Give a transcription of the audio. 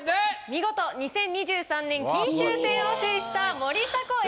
見事２０２３年金秋戦を制した森迫永依さん。